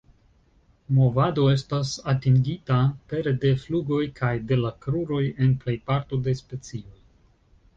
Movado estas atingita pere de flugoj kaj de la kruroj en plejparto de specioj.